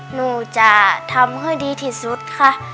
หนูจะทำให้ดีที่สุดค่ะ